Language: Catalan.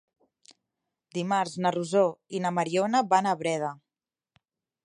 Dimarts na Rosó i na Mariona van a Breda.